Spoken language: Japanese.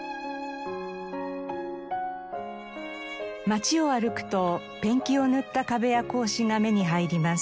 町を歩くとペンキを塗った壁や格子が目に入ります。